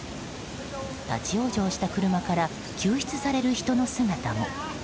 立ち往生した車から救出される人の姿も。